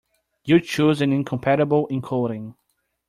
You chose an incompatible encoding.